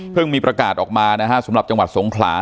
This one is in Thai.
เพิ่งมีประกาศออกมานะครับสำหรับจังหวัดสงขลา